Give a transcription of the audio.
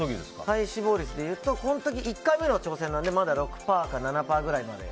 体脂肪率で言うとこの時、１回目の挑戦なのでまだ６％か７％くらい。